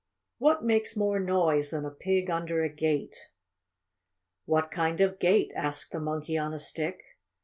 What makes more noise than a pig under a gate?" "What kind of gate?" asked the Monkey on a Stick.